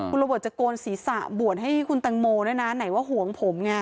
คุณระเบิดจะโกนศีรษะบวชให้คุณตังโมนะไหนว่าห่วงผมไง